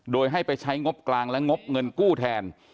โดยให้ไปใช้งบกลางและงบเงินกู้แทน